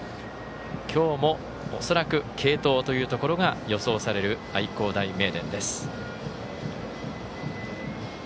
今日も恐らく継投というところが予想される愛工大名電です。